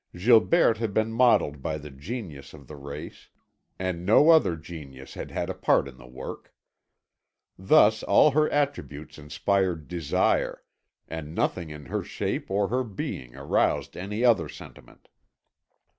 Gilberte had been modelled by the Genius of the Race, and no other genius had had a part in the work. Thus all her attributes inspired desire, and nothing in her shape or her being aroused any other sentiment.